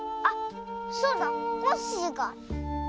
あっそうだ。